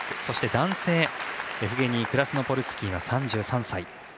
そして、男性エフゲニー・クラスノポルスキー３３歳。